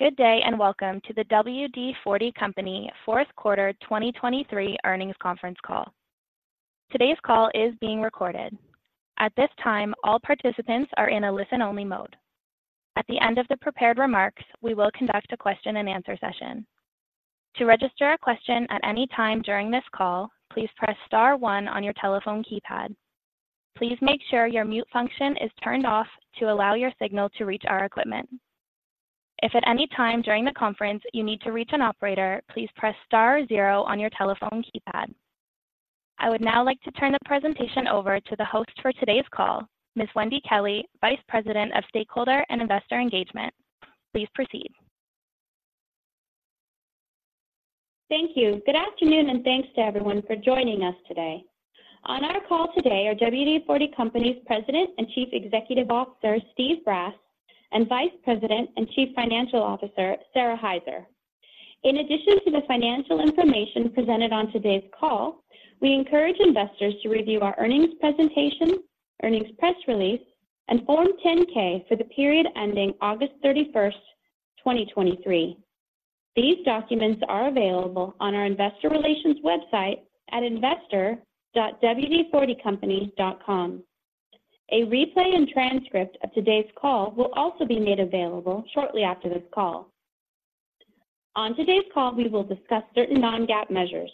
Good day, and welcome to the WD-40 Company fourth quarter 2023 earnings conference call. Today's call is being recorded. At this time, all participants are in a listen-only mode. At the end of the prepared remarks, we will conduct a question-and-answer session. To register a question at any time during this call, please press star one on your telephone keypad. Please make sure your mute function is turned off to allow your signal to reach our equipment. If at any time during the conference you need to reach an operator, please press star zero on your telephone keypad. I would now like to turn the presentation over to the host for today's call, Ms. Wendy Kelley, Vice President of Stakeholder and Investor Engagement. Please proceed. Thank you. Good afternoon, and thanks to everyone for joining us today. On our call today are WD-40 Company's President and Chief Executive Officer, Steve Brass, and Vice President and Chief Financial Officer, Sara Hyzer. In addition to the financial information presented on today's call, we encourage investors to review our earnings presentation, earnings press release, and Form 10-K for the period ending August 31st, 2023. These documents are available on our investor relations website at investor.wd40company.com. A replay and transcript of today's call will also be made available shortly after this call. On today's call, we will discuss certain non-GAAP measures.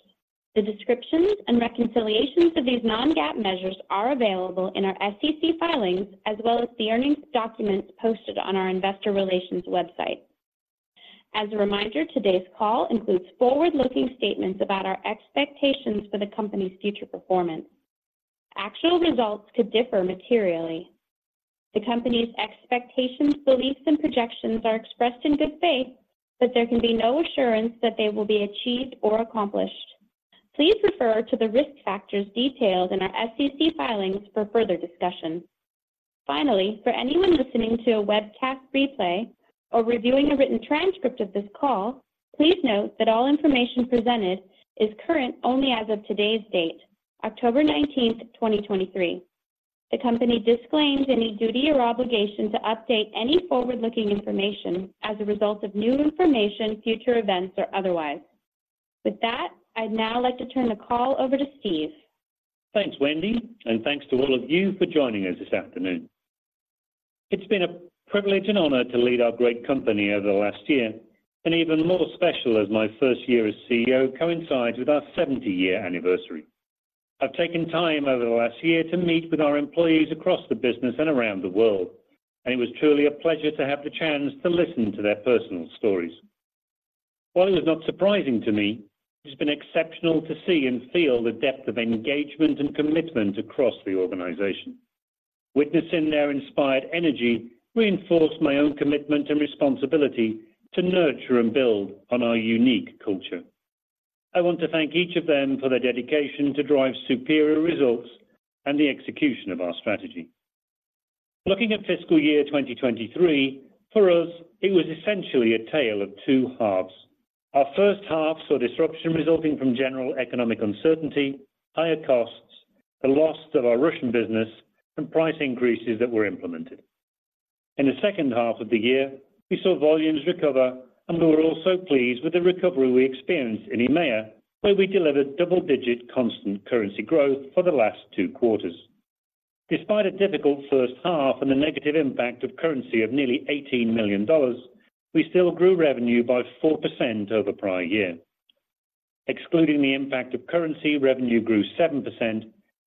The descriptions and reconciliations of these non-GAAP measures are available in our SEC filings, as well as the earnings documents posted on our investor relations website. As a reminder, today's call includes forward-looking statements about our expectations for the company's future performance. Actual results could differ materially. The company's expectations, beliefs, and projections are expressed in good faith, but there can be no assurance that they will be achieved or accomplished. Please refer to the risk factors detailed in our SEC filings for further discussion. Finally, for anyone listening to a webcast replay or reviewing a written transcript of this call, please note that all information presented is current only as of today's date, October 19th, 2023. The company disclaims any duty or obligation to update any forward-looking information as a result of new information, future events, or otherwise. With that, I'd now like to turn the call over to Steve. Thanks, Wendy, and thanks to all of you for joining us this afternoon. It's been a privilege and honor to lead our great company over the last year, and even more special as my first year as CEO coincides with our 70-year anniversary. I've taken time over the last year to meet with our employees across the business and around the world, and it was truly a pleasure to have the chance to listen to their personal stories. While it was not surprising to me, it's been exceptional to see and feel the depth of engagement and commitment across the organization. Witnessing their inspired energy reinforced my own commitment and responsibility to nurture and build on our unique culture. I want to thank each of them for their dedication to drive superior results and the execution of our strategy. Looking at fiscal year 2023, for us, it was essentially a tale of two halves. Our first half saw disruption resulting from general economic uncertainty, higher costs, the loss of our Russian business, and price increases that were implemented. In the second half of the year, we saw volumes recover, and we were also pleased with the recovery we experienced in EMEA, where we delivered double-digit constant currency growth for the last two quarters. Despite a difficult first half and a negative impact of currency of nearly $18 million, we still grew revenue by 4% over prior year. Excluding the impact of currency, revenue grew 7%,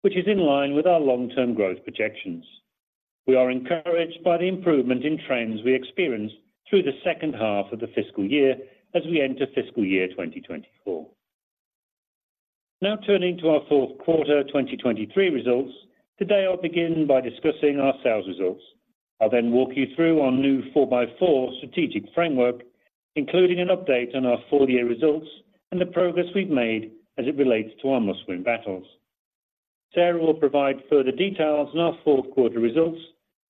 which is in line with our long-term growth projections. We are encouraged by the improvement in trends we experienced through the second half of the fiscal year as we enter fiscal year 2024. Now, turning to our fourth quarter 2023 results, today I'll begin by discussing our sales results. I'll then walk you through our new Four-by-Four Strategic Framework, including an update on our full-year results and the progress we've made as it relates to our Must-Win Battles. Sara will provide further details on our fourth quarter results,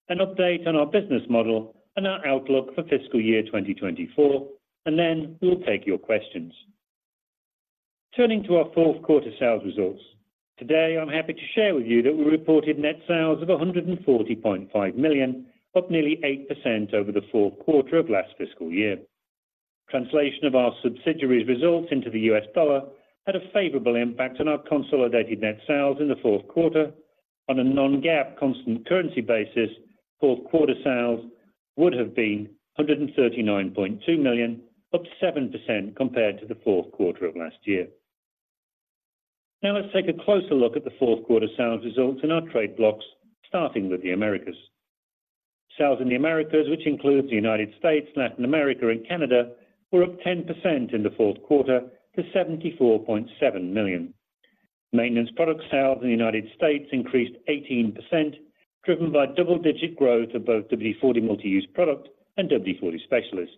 an update on our business model and our outlook for fiscal year 2024, and then we will take your questions. Turning to our fourth quarter sales results, today I'm happy to share with you that we reported net sales of $140.5 million, up nearly 8% over the fourth quarter of last fiscal year. Translation of our subsidiaries' results into the U.S. dollar had a favorable impact on our consolidated net sales in the fourth quarter. On a non-GAAP constant currency basis, fourth quarter sales would have been $139.2 million, up 7% compared to the fourth quarter of last year. Now, let's take a closer look at the fourth quarter sales results in our trade blocks, starting with the Americas. Sales in the Americas, which includes the United States, Latin America, and Canada, were up 10% in the fourth quarter to $74.7 million. Maintenance product sales in the United States increased 18%, driven by double-digit growth of both WD-40 Multi-Use Product and WD-40 Specialist.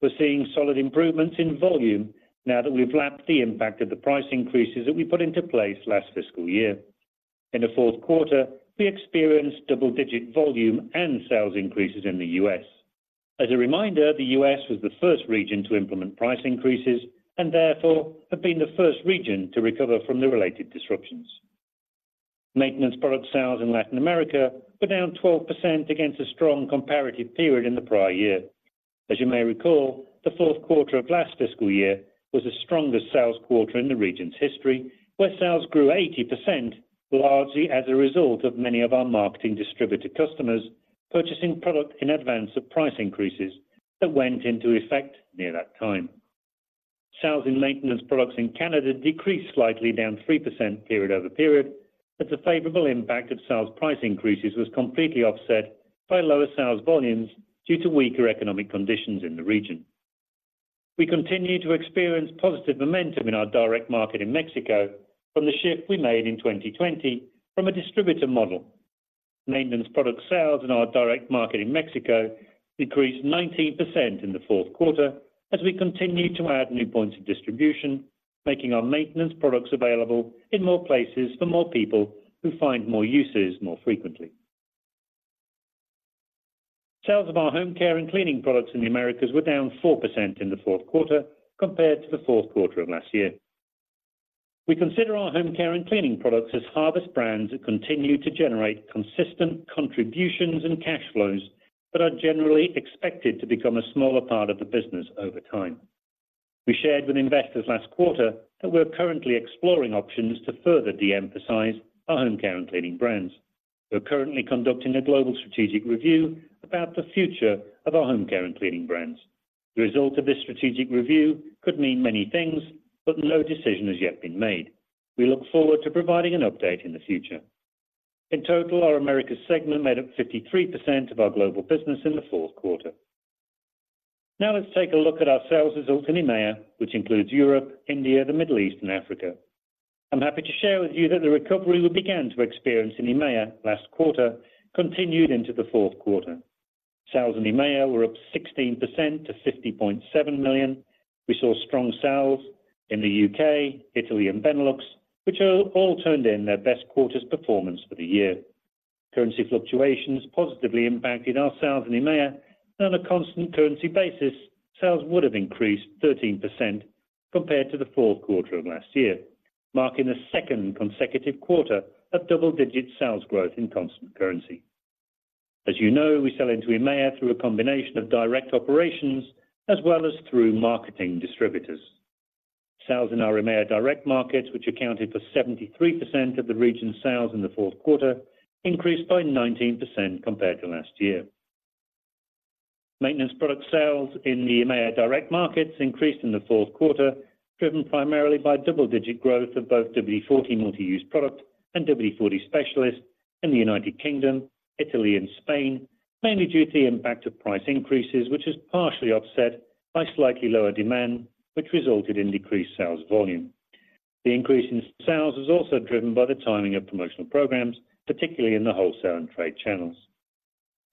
We're seeing solid improvements in volume now that we've lapped the impact of the price increases that we put into place last fiscal year. In the fourth quarter, we experienced double-digit volume and sales increases in the U.S. As a reminder, the U.S. was the first region to implement price increases and therefore have been the first region to recover from the related disruptions. Maintenance product sales in Latin America were down 12% against a strong comparative period in the prior year. As you may recall, the fourth quarter of last fiscal year was the strongest sales quarter in the region's history, where sales grew 80%, largely as a result of many of our marketing distributor customers purchasing product in advance of price increases that went into effect near that time. Sales in maintenance products in Canada decreased slightly, down 3% period-over-period, as the favorable impact of sales price increases was completely offset by lower sales volumes due to weaker economic conditions in the region. We continue to experience positive momentum in our direct market in Mexico from the shift we made in 2020 from a distributor model. Maintenance product sales in our direct market in Mexico increased 19% in the fourth quarter as we continue to add new points of distribution, making our maintenance products available in more places for more people who find more uses more frequently. Sales of our home care and cleaning products in the Americas were down 4% in the fourth quarter compared to the fourth quarter of last year. We consider our home care and cleaning products as harvest brands that continue to generate consistent contributions and cash flows, but are generally expected to become a smaller part of the business over time. We shared with investors last quarter that we're currently exploring options to further de-emphasize our home care and cleaning brands. We are currently conducting a global strategic review about the future of our home care and cleaning brands. The result of this strategic review could mean many things, but no decision has yet been made. We look forward to providing an update in the future. In total, our Americas segment made up 53% of our global business in the fourth quarter. Now let's take a look at our sales results in EMEA, which includes Europe, India, the Middle East, and Africa. I'm happy to share with you that the recovery we began to experience in EMEA last quarter continued into the fourth quarter. Sales in EMEA were up 16% to $50.7 million. We saw strong sales in the U.K., Italy, and Benelux, which all turned in their best quarter's performance for the year. Currency fluctuations positively impacted our sales in EMEA, and on a constant currency basis, sales would have increased 13% compared to the fourth quarter of last year, marking the second consecutive quarter of double-digit sales growth in constant currency. As you know, we sell into EMEA through a combination of direct operations as well as through marketing distributors. Sales in our EMEA direct markets, which accounted for 73% of the region's sales in the fourth quarter, increased by 19% compared to last year. Maintenance product sales in the EMEA direct markets increased in the fourth quarter, driven primarily by double-digit growth of both WD-40 Multi-Use Product and WD-40 Specialist in the United Kingdom, Italy, and Spain, mainly due to the impact of price increases, which is partially offset by slightly lower demand, which resulted in decreased sales volume. The increase in sales was also driven by the timing of promotional programs, particularly in the wholesale and trade channels.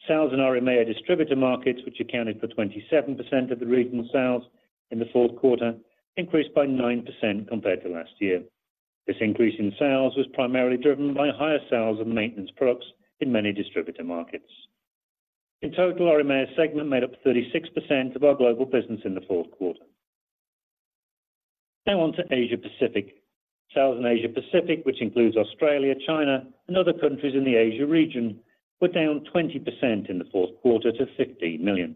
Sales in our EMEA distributor markets, which accounted for 27% of the regional sales in the fourth quarter, increased by 9% compared to last year. This increase in sales was primarily driven by higher sales of maintenance products in many distributor markets. In total, our EMEA segment made up 36% of our global business in the fourth quarter. Now on to Asia Pacific. Sales in Asia Pacific, which includes Australia, China, and other countries in the Asia region, were down 20% in the fourth quarter to $50 million.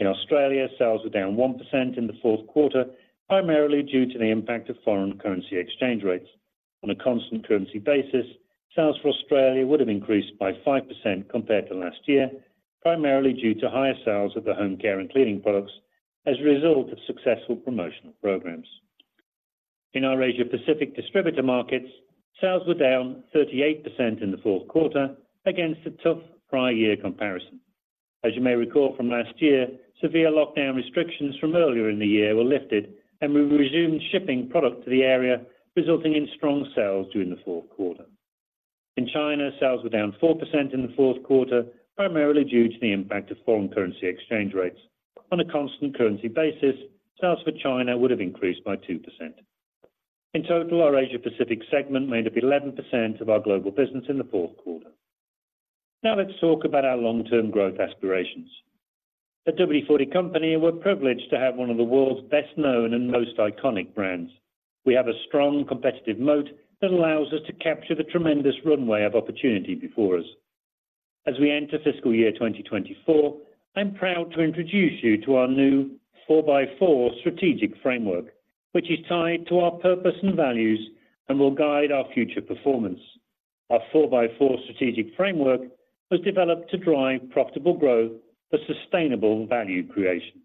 In Australia, sales were down 1% in the fourth quarter, primarily due to the impact of foreign currency exchange rates. On a constant currency basis, sales for Australia would have increased by 5% compared to last year, primarily due to higher sales of the home care and cleaning products as a result of successful promotional programs. In our Asia Pacific distributor markets, sales were down 38% in the fourth quarter against a tough prior year comparison. As you may recall from last year, severe lockdown restrictions from earlier in the year were lifted, and we resumed shipping product to the area, resulting in strong sales during the fourth quarter. In China, sales were down 4% in the fourth quarter, primarily due to the impact of foreign currency exchange rates. On a constant currency basis, sales for China would have increased by 2%. In total, our Asia Pacific segment made up 11% of our global business in the fourth quarter. Now, let's talk about our long-term growth aspirations. At WD-40 Company, we're privileged to have one of the world's best-known and most iconic brands. We have a strong competitive moat that allows us to capture the tremendous runway of opportunity before us. As we enter fiscal year 2024, I'm proud to introduce you to our new Four-by-Four Strategic Framework, which is tied to our purpose and values and will guide our future performance. Our Four-by-Four Strategic Framework was developed to drive profitable growth for sustainable value creation.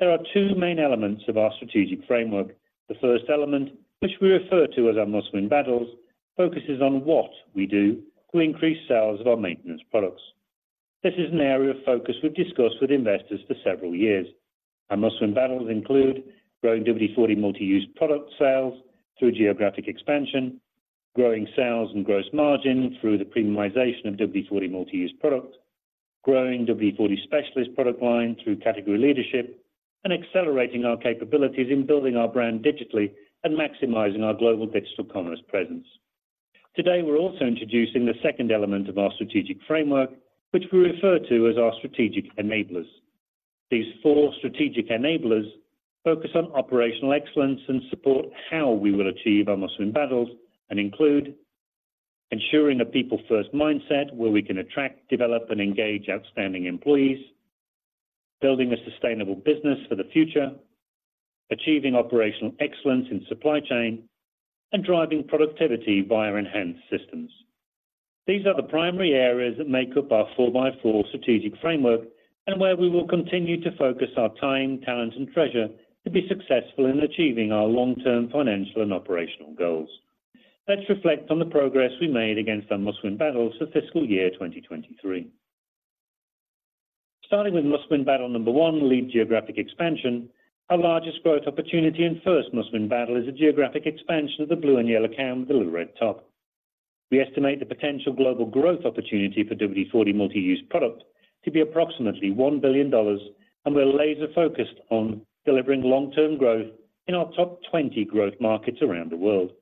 There are two main elements of our strategic framework. The first element, which we refer to as our Must-Win Battles, focuses on what we do to increase sales of our maintenance products. This is an area of focus we've discussed with investors for several years. Our Must-Win Battles include growing WD-40 Multi-Use Product sales through geographic expansion, growing sales and gross margin through the premiumization of WD-40 Multi-Use Product, growing WD-40 Specialist product line through category leadership, and accelerating our capabilities in building our brand digitally and maximizing our global digital commerce presence. Today, we're also introducing the second element of our strategic framework, which we refer to as our Strategic Enablers. These four Strategic Enablers focus on operational excellence and support how we will achieve our Must-Win Battles, and include ensuring a people-first mindset, where we can attract, develop, and engage outstanding employees, building a sustainable business for the future, achieving operational excellence in supply chain, and driving productivity via enhanced systems. These are the primary areas that make up our Four-by-Four Strategic Framework, and where we will continue to focus our time, talent, and treasure to be successful in achieving our long-term financial and operational goals. Let's reflect on the progress we made against our Must-Win Battles for fiscal year 2023. Starting with Must-Win Battle number one, lead geographic expansion, our largest growth opportunity and first Must-Win Battle is the geographic expansion of the blue and yellow can with the little red top. We estimate the potential global growth opportunity for WD-40 Multi-Use Product to be approximately $1 billion, and we're laser-focused on delivering long-term growth in our top 20 growth markets around the world.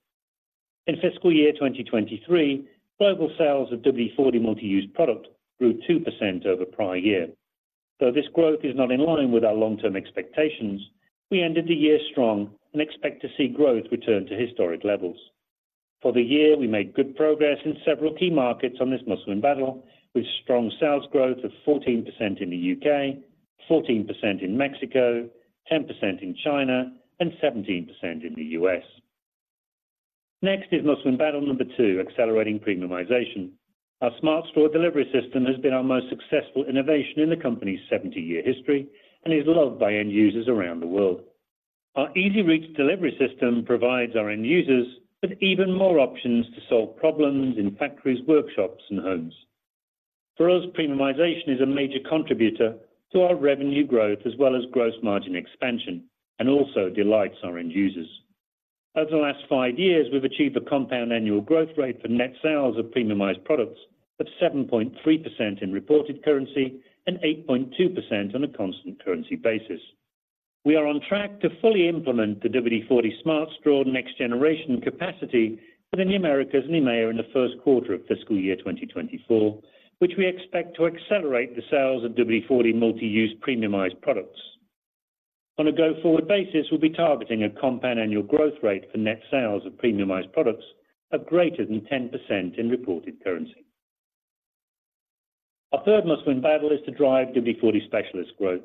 In fiscal year 2023, global sales of WD-40 Multi-Use Product grew 2% over prior year. Though this growth is not in line with our long-term expectations, we ended the year strong and expect to see growth return to historic levels. For the year, we made good progress in several key markets on this Must-Win Battle, with strong sales growth of 14% in the U.K., 14% in Mexico, 10% in China, and 17% in the U.S. Next is Must-Win Battle number two, accelerating Premiumization. Our Smart Straw delivery system has been our most successful innovation in the company's 70-year history and is loved by end users around the world. Our EZ-Reach delivery system provides our end users with even more options to solve problems in factories, workshops, and homes. For us, Premiumization is a major contributor to our revenue growth, as well as Gross Margin expansion, and also delights our end users. Over the last five years, we've achieved a compound annual growth rate for net sales of premiumized products of 7.3% in reported currency and 8.2% on a constant currency basis. We are on track to fully implement the WD-40 Smart Straw next-generation capacity for the Americas and EMEA in the first quarter of fiscal year 2024, which we expect to accelerate the sales of WD-40 Multi-Use premiumized products. On a go-forward basis, we'll be targeting a compound annual growth rate for net sales of premiumized products of greater than 10% in reported currency. Our third Must-Win Battle is to drive WD-40 Specialist growth.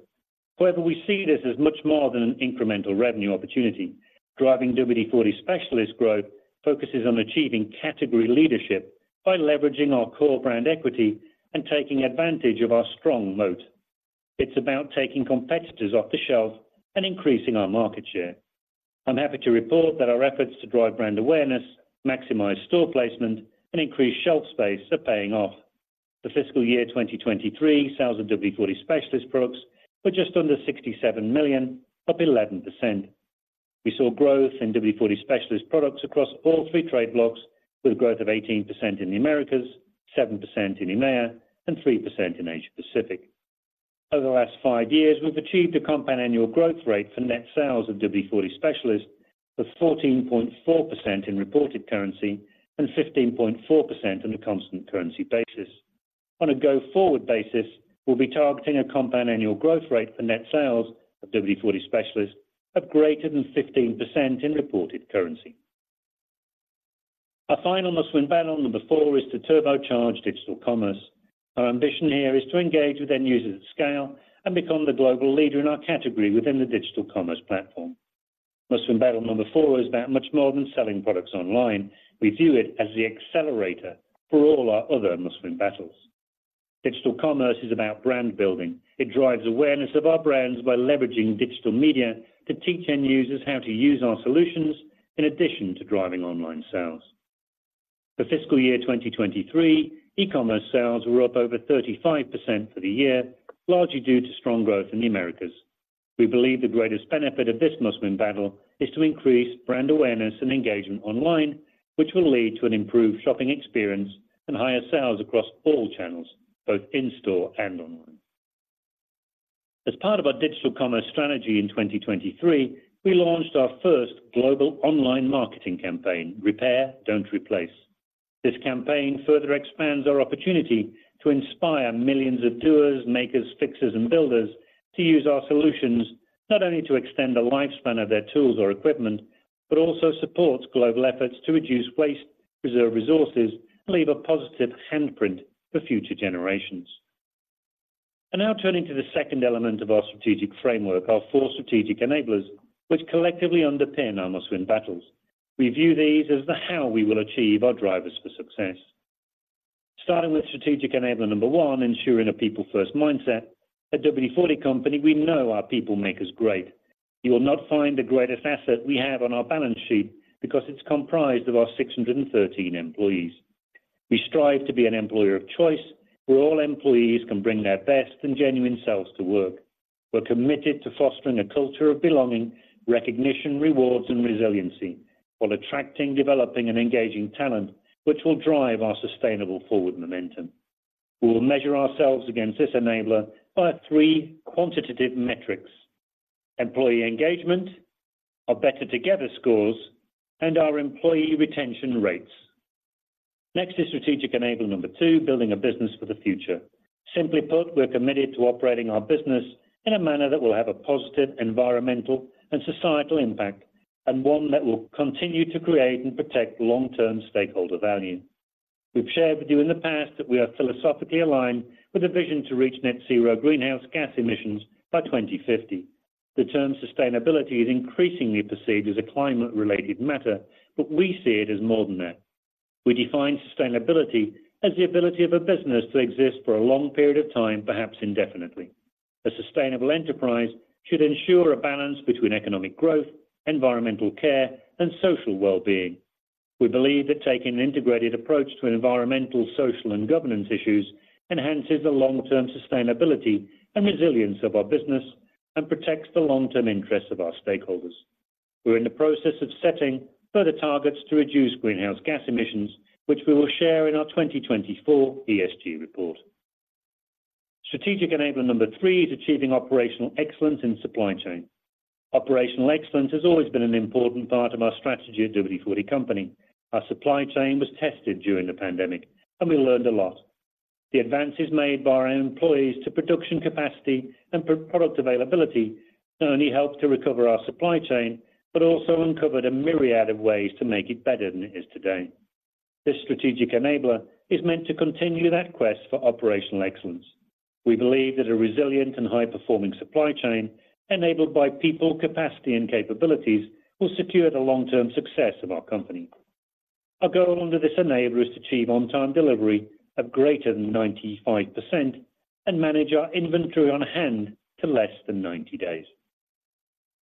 However, we see this as much more than an incremental revenue opportunity. Driving WD-40 Specialist growth focuses on achieving category leadership by leveraging our core brand equity and taking advantage of our strong moat. It's about taking competitors off the shelf and increasing our market share. I'm happy to report that our efforts to drive brand awareness, maximize store placement, and increase shelf space are paying off. For fiscal year 2023, sales of WD-40 Specialist products were just under $67 million, up 11%. We saw growth in WD-40 Specialist products across all three trade blocks, with growth of 18% in the Americas, 7% in EMEA, and 3% in Asia Pacific. Over the last five years, we've achieved a compound annual growth rate for net sales of WD-40 Specialist of 14.4% in reported currency and 15.4% on a constant currency basis. On a go-forward basis, we'll be targeting a compound annual growth rate for net sales of WD-40 Specialist of greater than 15% in reported currency. Our final Must-Win Battle number four is to turbocharge digital commerce. Our ambition here is to engage with end users at scale and become the global leader in our category within the digital commerce platform. Must-Win Battle number four is about much more than selling products online. We view it as the accelerator for all our other Must-Win Battles. Digital commerce is about brand building. It drives awareness of our brands by leveraging digital media to teach end users how to use our solutions, in addition to driving online sales. For fiscal year 2023, e-commerce sales were up over 35% for the year, largely due to strong growth in the Americas. We believe the greatest benefit of this Must-Win Battle is to increase brand awareness and engagement online, which will lead to an improved shopping experience and higher sales across all channels, both in-store and online. As part of our digital commerce strategy in 2023, we launched our first global online marketing campaign, Repair, Don't Replace. This campaign further expands our opportunity to inspire millions of doers, makers, fixers, and builders to use our solutions, not only to extend the lifespan of their tools or equipment, but also supports global efforts to reduce waste, preserve resources, and leave a positive handprint for future generations. Now turning to the second element of our strategic framework, our four Strategic Enablers, which collectively underpin our Must-Win Battles. We view these as the how we will achieve our drivers for success. Starting with Strategic Enabler number one, ensuring a people-first mindset, at WD-40 Company, we know our people make us great. You will not find the greatest asset we have on our balance sheet, because it's comprised of our 613 employees. We strive to be an employer of choice, where all employees can bring their best and genuine selves to work. We're committed to fostering a culture of belonging, recognition, rewards, and resiliency, while attracting, developing, and engaging talent, which will drive our sustainable forward momentum. We will measure ourselves against this enabler by three quantitative metrics: employee engagement, our Better Together scores, and our employee retention rates. Next is Strategic Enabler number two, building a business for the future. Simply put, we're committed to operating our business in a manner that will have a positive environmental and societal impact, and one that will continue to create and protect long-term stakeholder value. We've shared with you in the past that we are philosophically aligned with a vision to reach Net Zero Greenhouse Gas Emissions by 2050. The term sustainability is increasingly perceived as a climate-related matter, but we see it as more than that. We define sustainability as the ability of a business to exist for a long period of time, perhaps indefinitely. A sustainable enterprise should ensure a balance between economic growth, environmental care, and social well-being. We believe that taking an integrated approach to environmental, social, and governance issues enhances the long-term sustainability and resilience of our business and protects the long-term interests of our stakeholders. We're in the process of setting further targets to reduce greenhouse gas emissions, which we will share in our 2024 ESG report. Strategic Enabler number three is achieving operational excellence in supply chain. Operational excellence has always been an important part of our strategy at WD-40 Company. Our supply chain was tested during the pandemic, and we learned a lot. The advances made by our employees to production capacity and product availability not only helped to recover our supply chain, but also uncovered a myriad of ways to make it better than it is today. This Strategic Enabler is meant to continue that quest for operational excellence. We believe that a resilient and high-performing supply chain, enabled by people, capacity, and capabilities, will secure the long-term success of our company. Our goal under this Enabler is to achieve on-time delivery of greater than 95% and manage our inventory on hand to less than 90 days.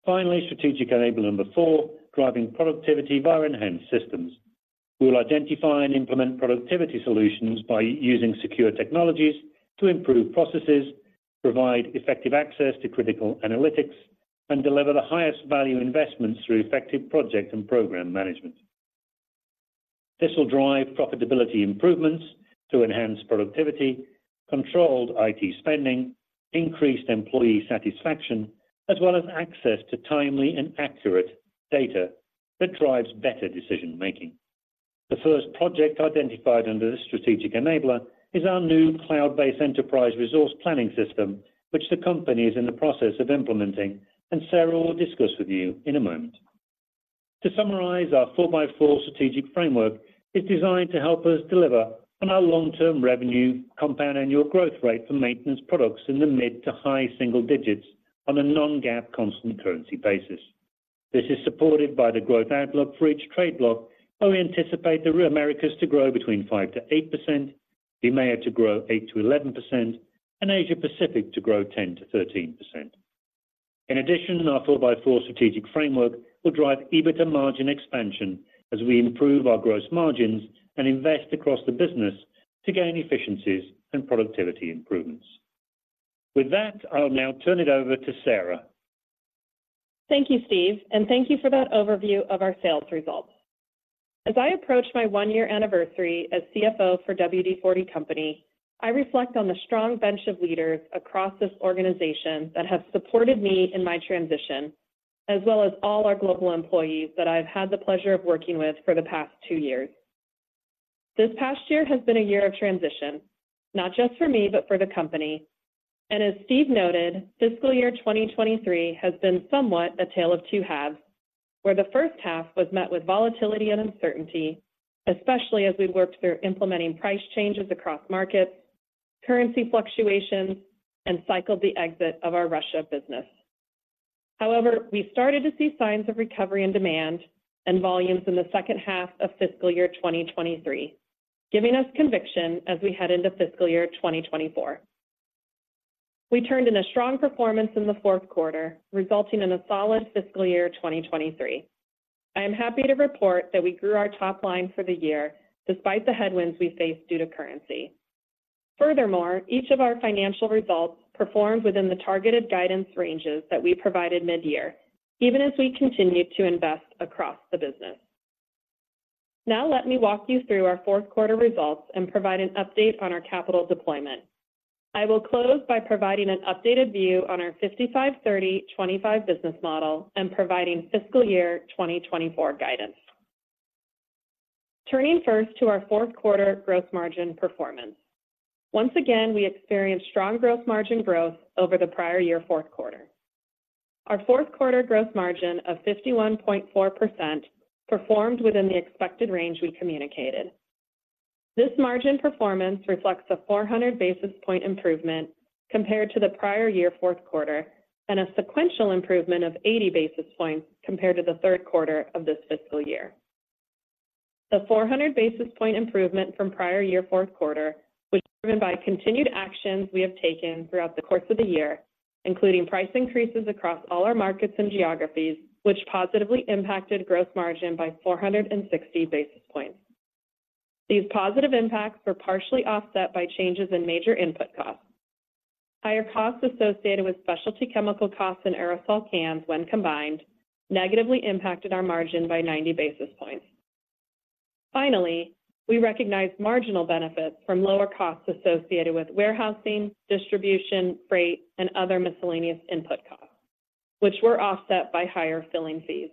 Finally, Strategic Enabler number four, driving productivity via enhanced systems. We will identify and implement productivity solutions by using secure technologies to improve processes, provide effective access to critical analytics, and deliver the highest value investments through effective project and program management. This will drive profitability improvements to enhance productivity, controlled I.T. spending, increased employee satisfaction, as well as access to timely and accurate data that drives better decision-making. The first project identified under this Strategic Enabler is our new cloud-based Enterprise Resource Planning system, which the company is in the process of implementing, and Sara will discuss with you in a moment. To summarize, our Four-by-Four Strategic Framework is designed to help us deliver on our long-term revenue compound annual growth rate for maintenance products in the mid to high single digits on a non-GAAP constant currency basis. This is supported by the growth outlook for each trade block, where we anticipate the Americas to grow between 5%-8%, EMEA to grow 8%-11%, and Asia Pacific to grow 10%-13%. In addition, our Four-by-Four Strategic Framework will drive EBITDA margin expansion as we improve our gross margins and invest across the business to gain efficiencies and productivity improvements. With that, I'll now turn it over to Sara. Thank you, Steve, and thank you for that overview of our sales results. As I approach my one-year anniversary as CFO for WD-40 Company, I reflect on the strong bench of leaders across this organization that have supported me in my transition, as well as all our global employees that I've had the pleasure of working with for the past two years. This past year has been a year of transition, not just for me, but for the company. As Steve noted, fiscal year 2023 has been somewhat a tale of two halves, where the first half was met with volatility and uncertainty, especially as we worked through implementing price changes across markets, currency fluctuations, and cycled the exit of our Russia business. However, we started to see signs of recovery and demand and volumes in the second half of fiscal year 2023, giving us conviction as we head into fiscal year 2024. We turned in a strong performance in the fourth quarter, resulting in a solid fiscal year 2023. I am happy to report that we grew our top line for the year despite the headwinds we faced due to currency. Furthermore, each of our financial results performed within the targeted guidance ranges that we provided mid-year, even as we continued to invest across the business. Now let me walk you through our fourth quarter results and provide an update on our capital deployment. I will close by providing an updated view on our 55/30/25 business model and providing fiscal year 2024 guidance. Turning first to our fourth quarter gross margin performance. Once again, we experienced strong gross margin growth over the prior year fourth quarter. Our fourth quarter gross margin of 51.4% performed within the expected range we communicated. This margin performance reflects a 400 basis points improvement compared to the prior year fourth quarter, and a sequential improvement of 80 basis points compared to the third quarter of this fiscal year. The 400 basis points improvement from prior year fourth quarter was driven by continued actions we have taken throughout the course of the year, including price increases across all our markets and geographies, which positively impacted gross margin by 460 basis points. These positive impacts were partially offset by changes in major input costs. Higher costs associated with specialty chemical costs and aerosol cans, when combined, negatively impacted our margin by 90 basis points. Finally, we recognized marginal benefits from lower costs associated with warehousing, distribution, freight, and other miscellaneous input costs, which were offset by higher filling fees.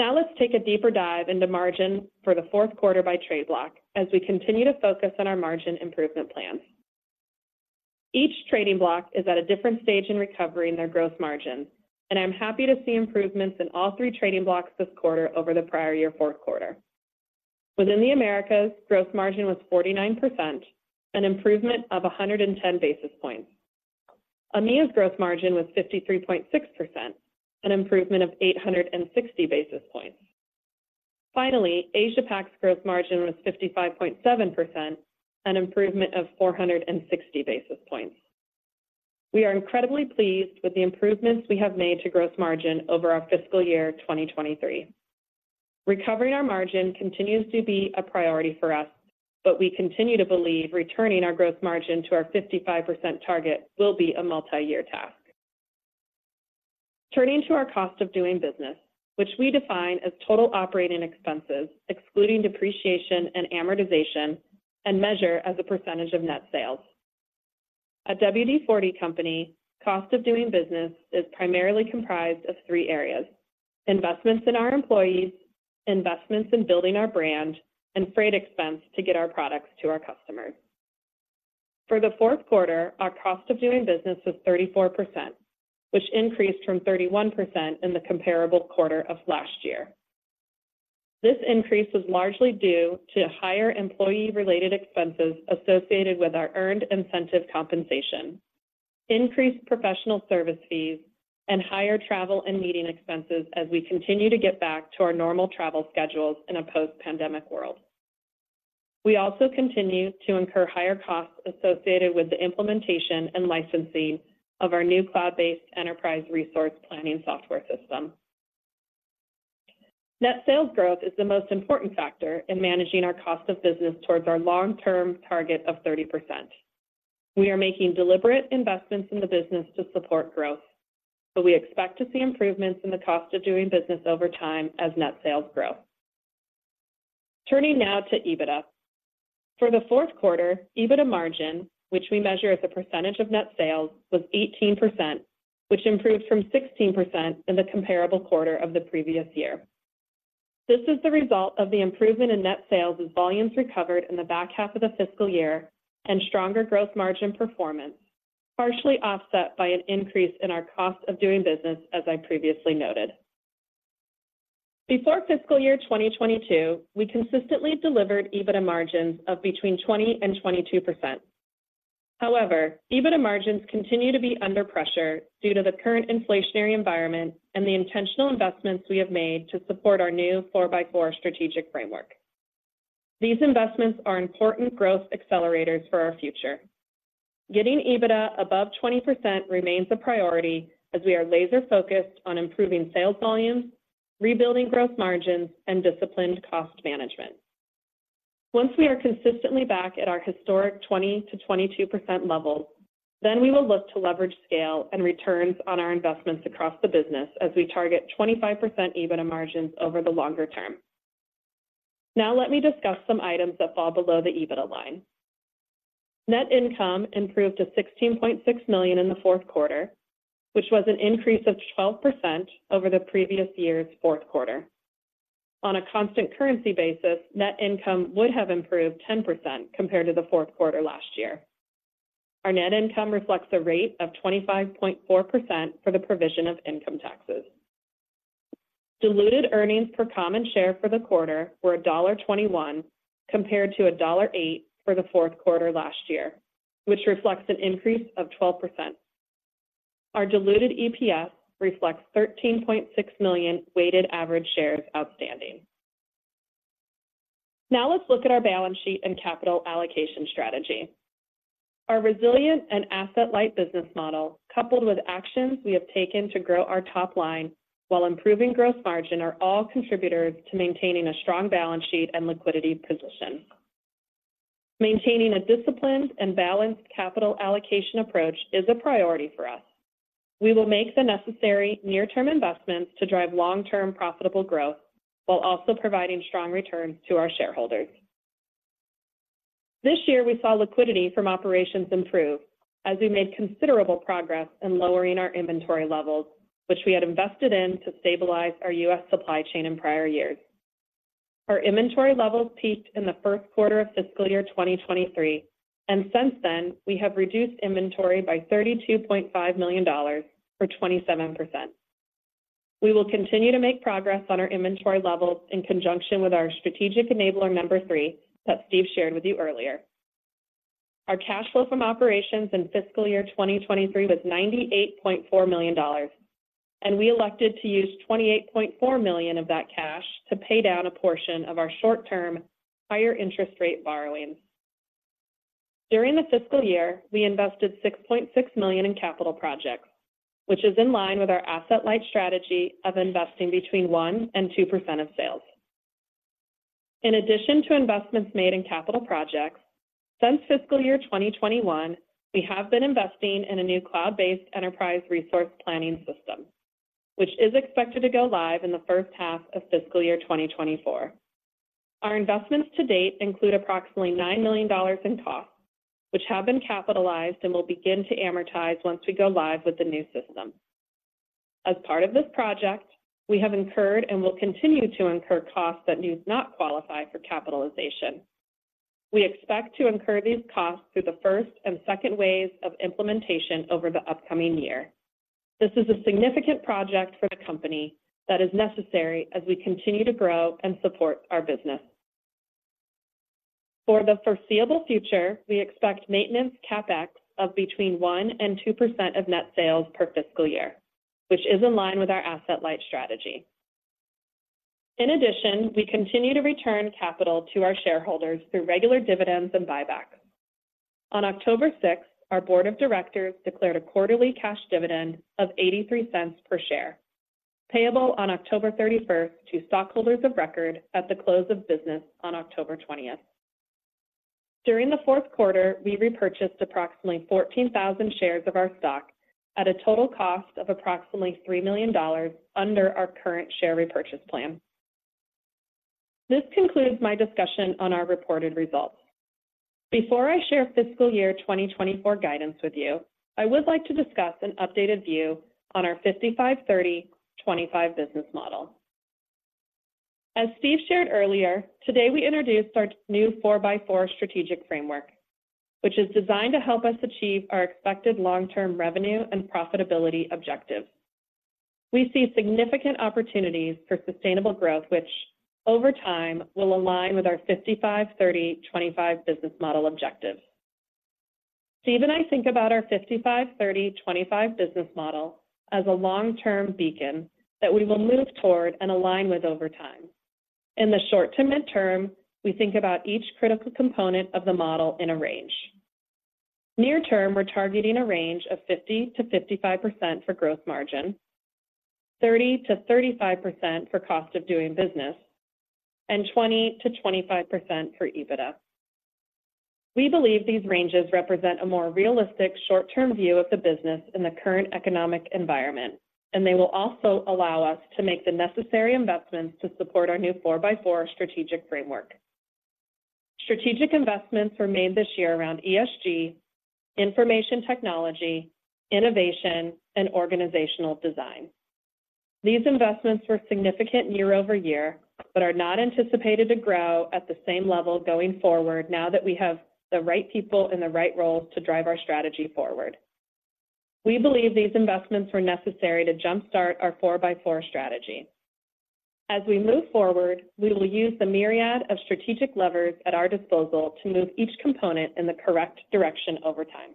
Now let's take a deeper dive into margin for the fourth quarter by trade block, as we continue to focus on our margin improvement plan. Each trading block is at a different stage in recovering their gross margin, and I'm happy to see improvements in all three trading blocks this quarter over the prior year fourth quarter. Within the Americas, gross margin was 49%, an improvement of 110 basis points. EMEA's gross margin was 53.6%, an improvement of 860 basis points. Finally, Asia Pac's gross margin was 55.7%, an improvement of 460 basis points. We are incredibly pleased with the improvements we have made to gross margin over our fiscal year 2023. Recovering our margin continues to be a priority for us, but we continue to believe returning our gross margin to our 55% target will be a multi-year task. Turning to our cost of doing business, which we define as total operating expenses, excluding depreciation and amortization, and measure as a percentage of net sales, at WD-40 Company, cost of doing business is primarily comprised of three areas: investments in our employees, investments in building our brand, and freight expense to get our products to our customers. For the fourth quarter, our cost of doing business was 34%, which increased from 31% in the comparable quarter of last year. This increase was largely due to higher employee-related expenses associated with our earned incentive compensation, increased professional service fees, and higher travel and meeting expenses as we continue to get back to our normal travel schedules in a post-pandemic world. We also continue to incur higher costs associated with the implementation and licensing of our new cloud-based enterprise resource planning software system. Net sales growth is the most important factor in managing our cost of business towards our long-term target of 30%. We are making deliberate investments in the business to support growth, but we expect to see improvements in the cost of doing business over time as net sales grow. Turning now to EBITDA. For the fourth quarter, EBITDA margin, which we measure as a percentage of net sales, was 18%, which improved from 16% in the comparable quarter of the previous year. This is the result of the improvement in net sales as volumes recovered in the back half of the fiscal year and stronger Gross Margin performance, partially offset by an increase in our Cost of Doing Business, as I previously noted. Before fiscal year 2022, we consistently delivered EBITDA margins of between 20% and 22%. However, EBITDA margins continue to be under pressure due to the current inflationary environment and the intentional investments we have made to support our new Four-by-Four Strategic Framework. These investments are important growth accelerators for our future. Getting EBITDA above 20% remains a priority, as we are laser-focused on improving sales volumes, rebuilding Gross Margins, and disciplined cost management. Once we are consistently back at our historic 20%-22% level, then we will look to leverage scale and returns on our investments across the business as we target 25% EBITDA margins over the longer term. Now let me discuss some items that fall below the EBITDA line. Net income improved to $16.6 million in the fourth quarter, which was an increase of 12% over the previous year's fourth quarter. On a constant currency basis, net income would have improved 10% compared to the fourth quarter last year. Our net income reflects a rate of 25.4% for the provision of income taxes. Diluted earnings per common share for the quarter were $1.21, compared to $1.08 for the fourth quarter last year, which reflects an increase of 12%. Our diluted EPS reflects 13.6 million weighted average shares outstanding. Now let's look at our balance sheet and capital allocation strategy. Our resilient and asset-light business model, coupled with actions we have taken to grow our top line while improving gross margin, are all contributors to maintaining a strong balance sheet and liquidity position. Maintaining a disciplined and balanced capital allocation approach is a priority for us. We will make the necessary near-term investments to drive long-term profitable growth while also providing strong returns to our shareholders. This year, we saw liquidity from operations improve as we made considerable progress in lowering our inventory levels, which we had invested in to stabilize our U.S. supply chain in prior years. Our inventory levels peaked in the first quarter of fiscal year 2023, and since then, we have reduced inventory by $32.5 million, or 27%. We will continue to make progress on our inventory levels in conjunction with our Strategic Enabler number three that Steve shared with you earlier. Our cash flow from operations in fiscal year 2023 was $98.4 million, and we elected to use $28.4 million of that cash to pay down a portion of our short-term higher interest rate borrowings. During the fiscal year, we invested $6.6 million in capital projects, which is in line with our asset-light strategy of investing between 1% and 2% of sales. In addition to investments made in capital projects, since fiscal year 2021, we have been investing in a new cloud-based enterprise resource planning system, which is expected to go live in the first half of fiscal year 2024. Our investments to date include approximately $9 million in costs, which have been capitalized and will begin to amortize once we go live with the new system. As part of this project, we have incurred and will continue to incur costs that do not qualify for capitalization. We expect to incur these costs through the first and second waves of implementation over the upcoming year. This is a significant project for the company that is necessary as we continue to grow and support our business. For the foreseeable future, we expect maintenance CapEx of between 1% and 2% of net sales per fiscal year, which is in line with our asset-light strategy. In addition, we continue to return capital to our shareholders through regular dividends and buybacks. On October 6th, our Board of Directors declared a quarterly cash dividend of $0.83 per share, payable on October 31st to stockholders of record at the close of business on October 20th. During the fourth quarter, we repurchased approximately 14,000 shares of our stock at a total cost of approximately $3 million under our current share repurchase plan. This concludes my discussion on our reported results. Before I share fiscal year 2024 guidance with you, I would like to discuss an updated view on our 55/30/25 business model. As Steve shared earlier today, we introduced our new Four-by-Four strategic framework, which is designed to help us achieve our expected long-term Steve and I think about our 55/30/25 Business Model as a long-term beacon that we will move toward and align with over time. In the short to mid-term, we think about each critical component of the model in a range. Near term, we're targeting a range of 50%-55% for Gross Margin, 30%-35% for Cost of Doing Business, and 20%-25% for EBITDA. We believe these ranges represent a more realistic short-term view of the business in the current economic environment, and they will also allow us to make the necessary investments to support our new Four-by-Four Strategic Framework. Strategic investments were made this year around ESG, information technology, innovation, and organizational design. These investments were significant year-over-year, but are not anticipated to grow at the same level going forward now that we have the right people in the right roles to drive our strategy forward. We believe these investments were necessary to jumpstart our Four-by-Four strategy. As we move forward, we will use the myriad of strategic levers at our disposal to move each component in the correct direction over time.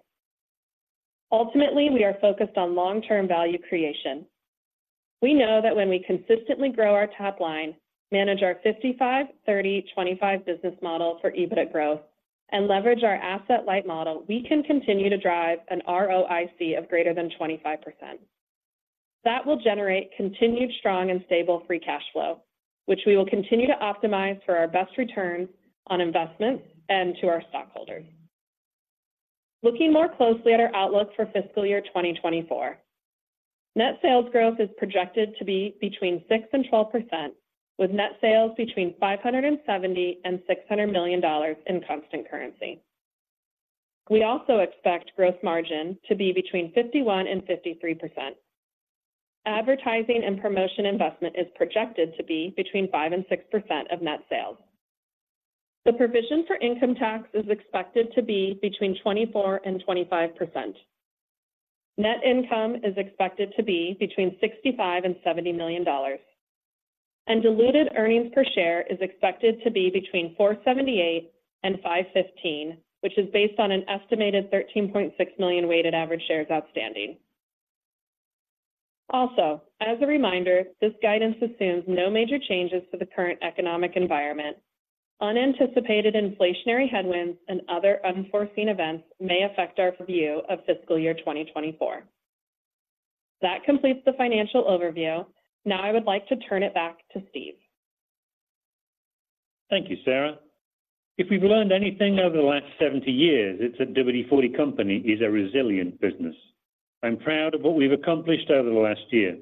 Ultimately, we are focused on long-term value creation. We know that when we consistently grow our top line, manage our 55/30/25 business model for EBITDA growth, and leverage our asset-light model, we can continue to drive an ROIC of greater than 25%. That will generate continued, strong, and stable free cash flow, which we will continue to optimize for our best return on investment and to our stockholders. Looking more closely at our outlook for fiscal year 2024, net sales growth is projected to be between 6% and 12%, with net sales between $570 million and $600 million in constant currency. We also expect gross margin to be between 51% and 53%. Advertising and promotion investment is projected to be between 5% and 6% of net sales. The provision for income tax is expected to be between 24% and 25%. Net income is expected to be between $65 million and $70 million, and diluted earnings per share is expected to be between $4.78 and $5.15, which is based on an estimated 13.6 million weighted average shares outstanding. Also, as a reminder, this guidance assumes no major changes to the current economic environment. Unanticipated inflationary headwinds and other unforeseen events may affect our view of fiscal year 2024. That completes the financial overview. Now, I would like to turn it back to Steve. Thank you, Sara. If we've learned anything over the last 70 years, it's that WD-40 Company is a resilient business. I'm proud of what we've accomplished over the last year.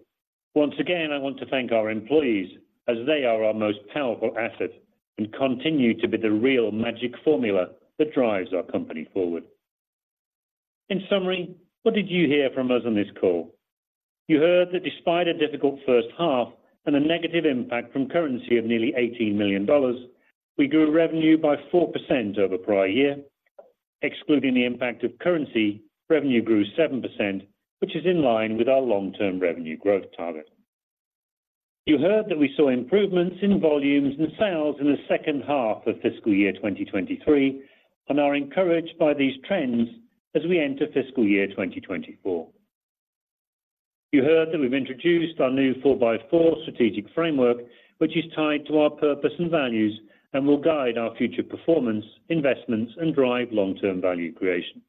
Once again, I want to thank our employees, as they are our most powerful asset and continue to be the real magic formula that drives our company forward. In summary, what did you hear from us on this call? You heard that despite a difficult first half and a negative impact from currency of nearly $18 million, we grew revenue by 4% over prior year. Excluding the impact of currency, revenue grew 7%, which is in line with our long-term revenue growth target. You heard that we saw improvements in volumes and sales in the second half of fiscal year 2023 and are encouraged by these trends as we enter fiscal year 2024. You heard that we've introduced our new Four-by-Four Strategic Framework, which is tied to our purpose and values, and will guide our future performance, investments, and drive long-term value creation.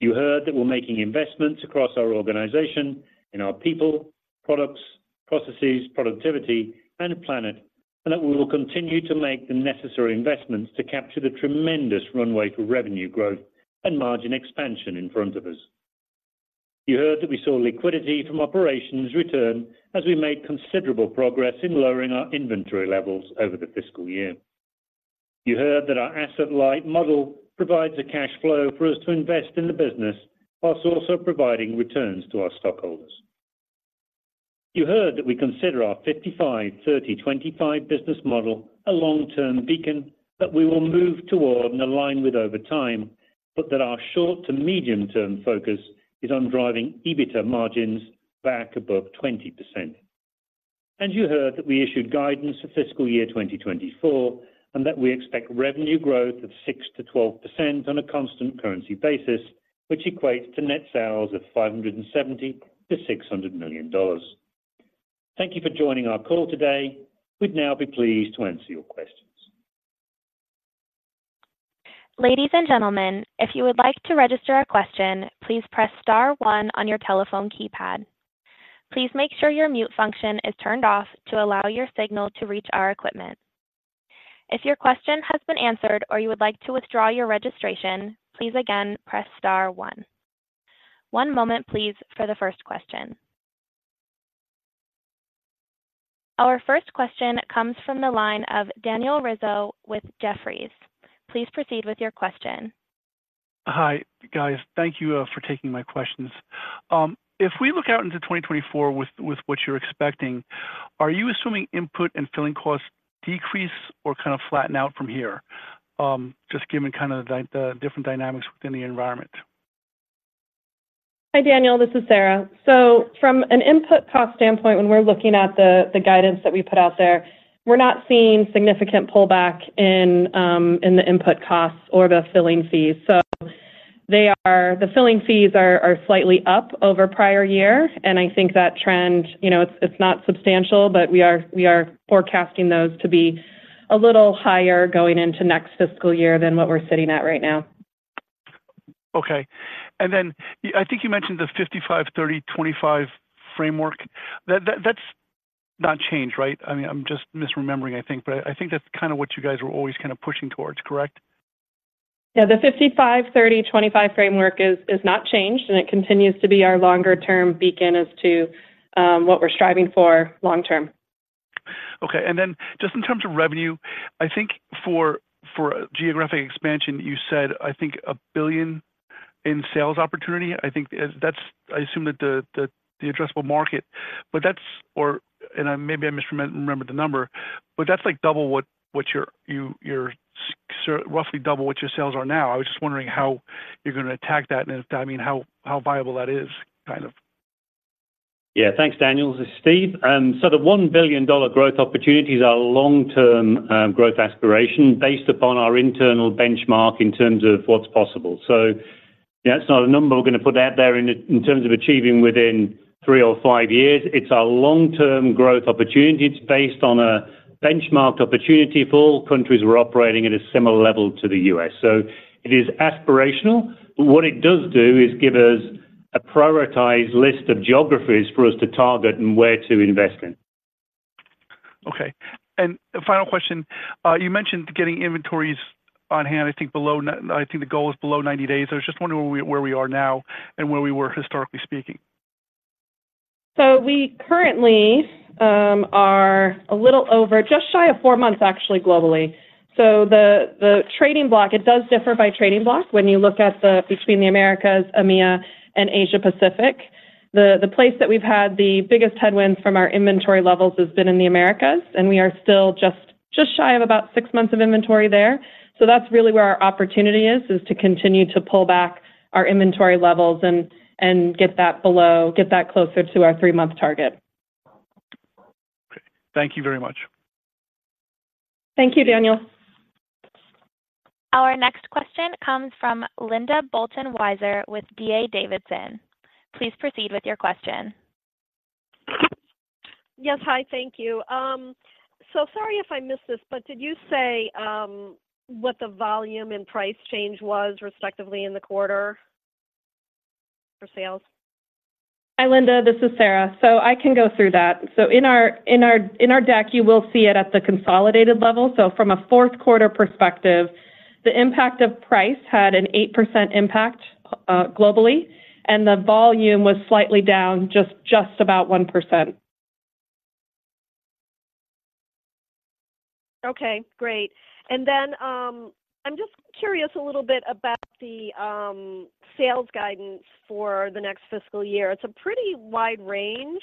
You heard that we're making investments across our organization in our people, products, processes, productivity, and planet, and that we will continue to make the necessary investments to capture the tremendous runway for revenue growth and margin expansion in front of us. You heard that we saw liquidity from operations return as we made considerable progress in lowering our inventory levels over the fiscal year. You heard that our asset-light model provides a cash flow for us to invest in the business, whilst also providing returns to our stockholders. You heard that we consider our 55/30/25 Business Model a long-term beacon that we will move toward and align with over time, but that our short to medium-term focus is on driving EBITDA margins back above 20%. You heard that we issued guidance for fiscal year 2024, and that we expect revenue growth of 6%-12% on a constant currency basis, which equates to net sales of $570 million-$600 million. Thank you for joining our call today. We'd now be pleased to answer your questions. Ladies and gentlemen, if you would like to register a question, please press star one on your telephone keypad. Please make sure your mute function is turned off to allow your signal to reach our equipment. If your question has been answered or you would like to withdraw your registration, please again, press star one. One moment please, for the first question. Our first question comes from the line of Daniel Rizzo with Jefferies. Please proceed with your question. Hi, guys. Thank you for taking my questions. If we look out into 2024 with what you're expecting, are you assuming input and filling costs decrease or kind of flatten out from here, just given kind of the different dynamics within the environment? Hi, Daniel, this is Sara. From an input cost standpoint, when we're looking at the guidance that we put out there, we're not seeing significant pullback in the input costs or the filling fees. The filling fees are slightly up over prior year, and I think that trend, you know, it's not substantial, but we are forecasting those to be a little higher going into next fiscal year than what we're sitting at right now. Okay. And then I think you mentioned the 55/30/25 framework, that's not changed, right. I mean, I'm just misremembering I think, but I think that's kind of what you guys were always kind of pushing towards, correct? Yeah, the 55/30/25 framework is not changed, and it continues to be our longer-term beacon as to what we're striving for long term. Okay. Just in terms of revenue, I think for geographic expansion, you said, I think $1 billion in sales opportunity. I think as that's, I assume that the addressable market, but that's, or and maybe I misremembered the number, but that's, like, double what your, roughly double what your sales are now. I was just wondering how you're gonna attack that, and I mean how viable that is, kind of. Yeah. Thanks, Daniel. This is Steve. The $1 billion growth opportunity is our long-term growth aspiration, based upon our internal benchmark in terms of what's possible. Yeah, it's not a number we're gonna put out there in terms of achieving within three or five years. It's our long-term growth opportunity. It's based on a benchmarked opportunity for all countries who are operating at a similar level to the U.S. It is aspirational, but what it does do is give us a prioritized list of geographies for us to target and where to invest in. Okay. Final question, you mentioned getting inventories on hand, I think the goal is below 90 days. I was just wondering where we are now and where we were, historically speaking. We currently are a little over, just shy of four months, actually, globally. The trading block, it does differ by trading block. When you look at the Americas, EMEA, and Asia Pacific, the place that we've had the biggest headwinds from our inventory levels has been in the Americas, and we are still just shy of about six months of inventory there. That's really where our opportunity is to continue to pull back our inventory levels and get that below, get that closer to our three-month target. Thank you very much. Thank you, Daniel. Our next question comes from Linda Bolton Weiser with D.A. Davidson. Please proceed with your question. Yes. Hi, thank you. So sorry if I missed this, but did you say what the volume and price change was, respectively, in the quarter for sales? Hi, Linda, this is Sara. I can go through that. In our deck, you will see it at the consolidated level. From a fourth quarter perspective, the impact of price had an 8% impact globally, and the volume was slightly down, just about 1%. Okay, great. I'm just curious a little bit about the sales guidance for the next fiscal year. It's a pretty wide range.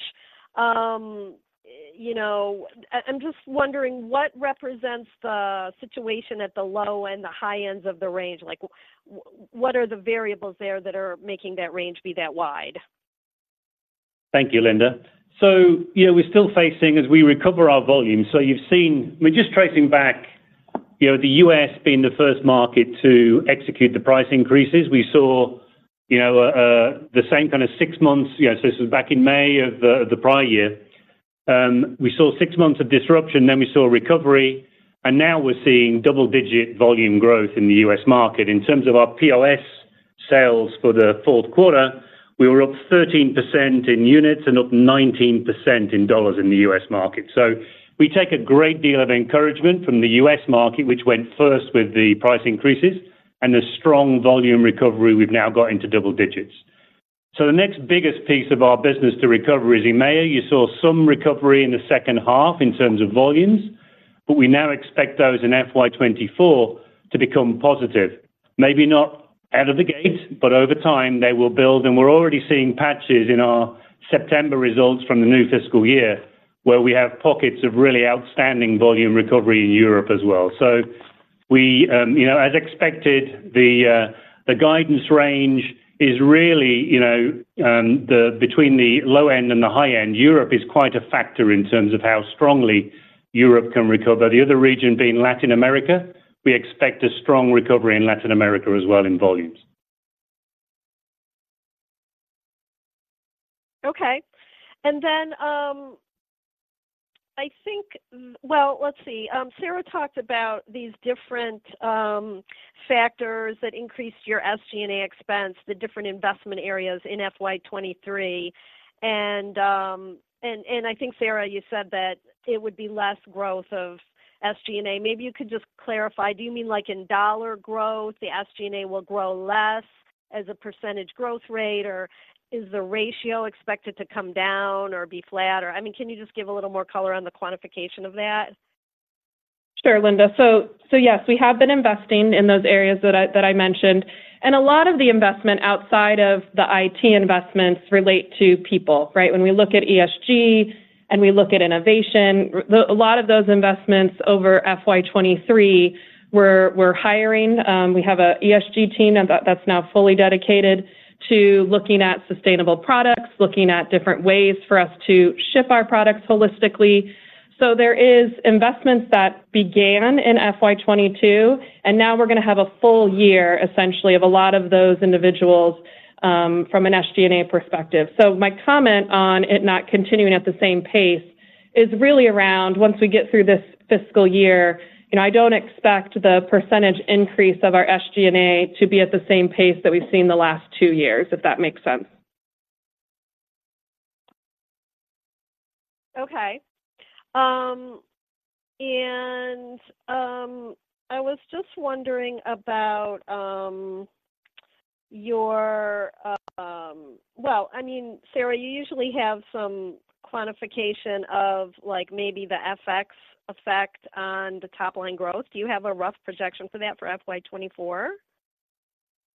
You know, I'm just wondering what represents the situation at the low and the high ends of the range? Like, what are the variables there that are making that range be that wide? Thank you, Linda. Yeah, we're still facing as we recover our volume. You've seen, we're just tracing back, you know, the U.S. being the first market to execute the price increases. We saw, you know, the same kind of six months, you know, so this was back in May of the prior year. We saw six months of disruption, then we saw recovery, and now we're seeing double-digit volume growth in the U.S. market. In terms of our PLS sales for the fourth quarter, we were up 13% in units and up 19% in dollars in the U.S. market. We take a great deal of encouragement from the U.S. market, which went first with the price increases and a strong volume recovery we've now got into double digits. The next biggest piece of our business to recover is EMEA. You saw some recovery in the second half in terms of volumes, but we now expect those in FY 2024 to become positive. Maybe not out of the gate, but over time they will build, and we're already seeing patches in our September results from the new fiscal year, where we have pockets of really outstanding volume recovery in Europe as well. You know, as expected, the guidance range is really, you know, between the low end and the high end. Europe is quite a factor in terms of how strongly Europe can recover. The other region being Latin America, we expect a strong recovery in Latin America as well in volumes. Okay. I think, well, let's see. Sara talked about these different factors that increased your SG&A expense, the different investment areas in FY 2023. I think, Sara, you said that it would be less growth of SG&A. Maybe you could just clarify. Do you mean like in dollar growth, the SG&A will grow less as a % growth rate, or is the ratio expected to come down or be flat? I mean, can you just give a little more color on the quantification of that? Sure, Linda. Yes, we have been investing in those areas that I mentioned, and a lot of the investment outside of the IT investments relate to people, right? When we look at ESG and we look at innovation, a lot of those investments over FY 2023, we're hiring. We have an ESG team that's now fully dedicated to looking at sustainable products, looking at different ways for us to ship our products holistically. There is investments that began in FY 2022, and now we're gonna have a full year, essentially, of a lot of those individuals from an SG&A perspective. My comment on it not continuing at the same pace is really around once we get through this fiscal year. You know, I don't expect the percentage increase of our SG&A to be at the same pace that we've seen the last two years, if that makes sense. Okay. I was just wondering about, well, I mean, Sara, you usually have some quantification of, like, maybe the F.X. effect on the top-line growth. Do you have a rough projection for that for FY 2024?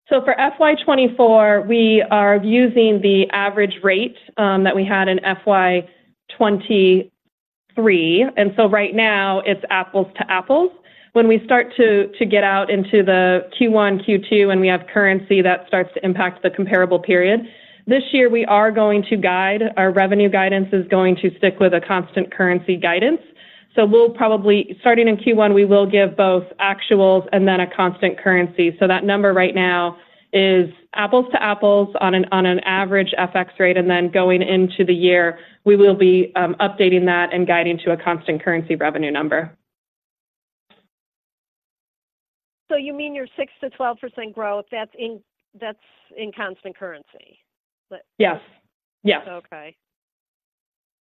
For FY 2024, we are using the average rate that we had in FY 2023, and so right now it's apples-to-apples. When we start to get out into the Q1, Q2, and we have currency, that starts to impact the comparable period. This year, we are going to guide, our revenue guidance is going to stick with a constant currency guidance. We'll probably, starting in Q1, we will give both actuals and then a constant currency. That number right now is apples-to-apples on an average F.X. rate, and then going into the year, we will be updating that and guiding to a constant currency revenue number. You mean your 6%-12% growth, that's in constant currency? Yes. Yes. Okay.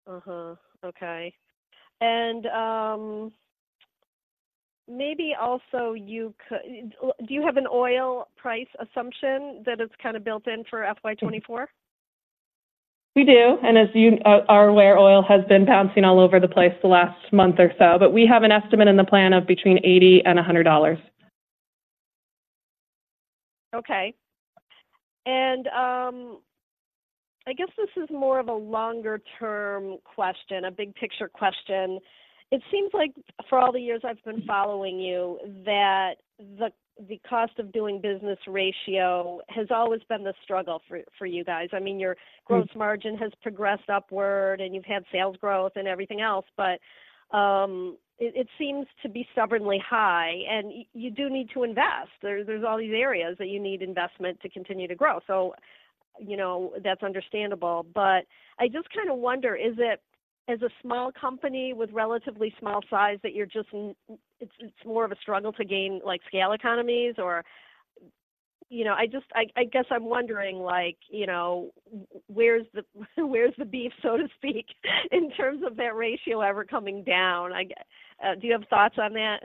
Uh-huh, okay. Maybe also do you have an oil price assumption that is kind of built in for FY 2024? We do, and as you are aware, oil has been bouncing all over the place the last month or so, but we have an estimate in the plan of between $80 and $100. Okay. I guess this is more of a longer-term question, a big-picture question. It seems like for all the years I've been following you, that the Cost of Doing Business ratio has always been the struggle for you guys. I mean, your Gross Margin has progressed upward, and you've had sales growth and everything else, but it seems to be stubbornly high, and you do need to invest. There's all these areas that you need investment to continue to grow. You know, that's understandable, but I just kind of wonder, is it as a small company with relatively small size, it's more of a struggle to gain, like, scale economies? You know, I just... I guess I'm wondering, like, you know, where's the beef, so to speak, in terms of that ratio ever coming down? Do you have thoughts on that?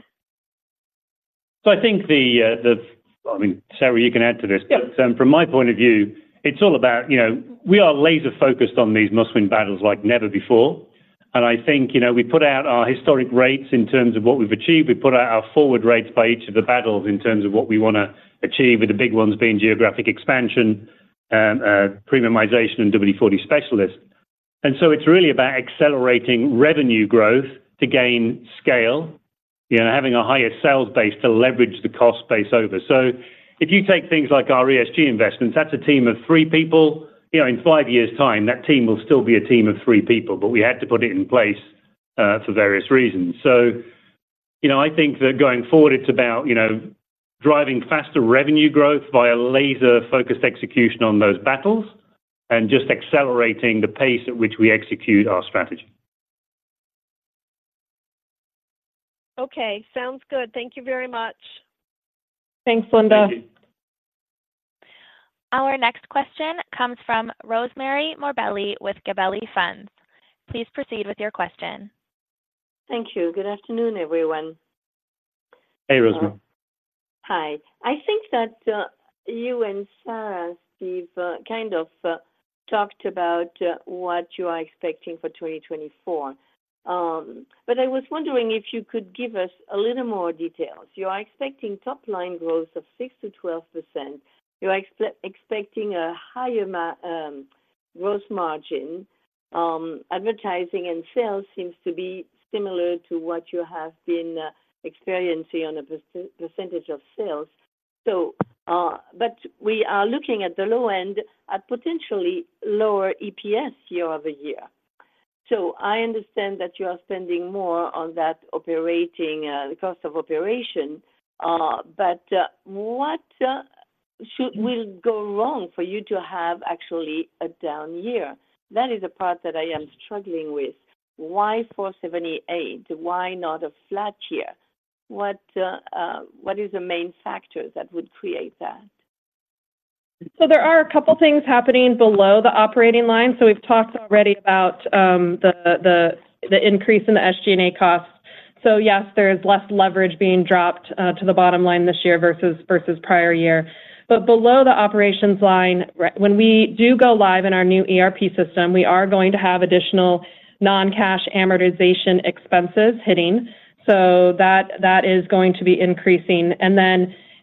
I think, I mean, Sara, you can add to this. Yeah. From my point of view, it's all about, you know, we are laser-focused on these Must-Win Battles like never before. I think, you know, we put out our historic rates in terms of what we've achieved. We put out our forward rates by each of the battles in terms of what we wanna achieve, with the big ones being geographic expansion, premiumization and WD-40 Specialist. It's really about accelerating revenue growth to gain scale, you know, having a higher sales base to leverage the cost base over. If you take things like our ESG investments, that's a team of three people. You know, in five years' time, that team will still be a team of three people, but we had to put it in place for various reasons. You know, I think that going forward, it's about, you know, driving faster revenue growth via laser-focused execution on those battles and just accelerating the pace at which we execute our strategy. Okay, sounds good. Thank you very much. Thanks, Linda. Thank you. Our next question comes from Rosemarie Morbelli with Gabelli Funds. Please proceed with your question. Thank you. Good afternoon, everyone. Hey, Rosemarie. Hi. I think that you and Sara, Steve, kind of talked about what you are expecting for 2024. I was wondering if you could give us a little more details. You are expecting top-line growth of 6%-12%. You are expecting a higher gross margin. Advertising and sales seems to be similar to what you have been experiencing on a percentage of sales. We are looking at the low end at potentially lower EPS year-over-year. I understand that you are spending more on that operating, the cost of operation, but what will go wrong for you to have actually a down year? That is the part that I am struggling with. Why $4.78? Why not a flat year? What is the main factor that would create that? There are a couple things happening below the operating line. We've talked already about the increase in the SG&A costs. Yes, there is less leverage being dropped to the bottom line this year versus prior year. Below the operations line, when we do go live in our new ERP system, we are going to have additional non-cash amortization expenses hitting. That is going to be increasing.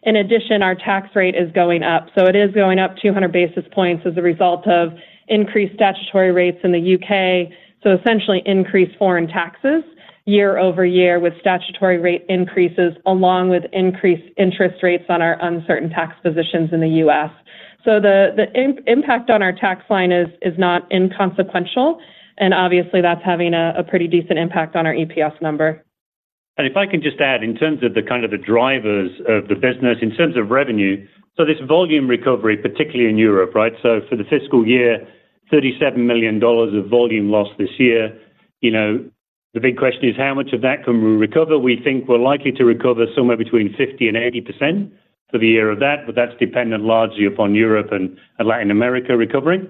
In addition, our tax rate is going up. It is going up 200 basis points as a result of increased statutory rates in the U.K. Essentially, increased foreign taxes year-over-year with statutory rate increases, along with increased interest rates on our uncertain tax positions in the U.S. The impact on our tax line is not inconsequential, and obviously, that's having a pretty decent impact on our EPS number. If I can just add, in terms of the kind of the drivers of the business, in terms of revenue, this volume recovery, particularly in Europe, right? For the fiscal year, $37 million of volume lost this year. You know, the big question is: How much of that can we recover? We think we're likely to recover somewhere between 50% and 80% for the year of that, but that's dependent largely upon Europe and Latin America recovering.